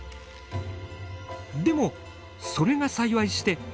でもそれが幸いして